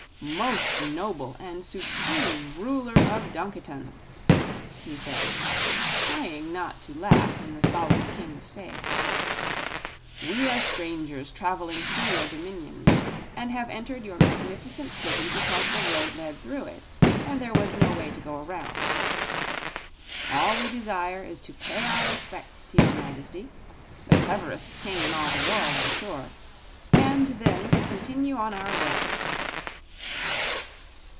"Most noble and supreme ruler of Dunkiton," he said, trying not to laugh in the solemn King's face, "we are strangers traveling through your dominions and have entered your magnificent city because the road led through it, and there was no way to go around. All we desire is to pay our respects to your Majesty the cleverest king in all the world, I'm sure and then to continue on our way."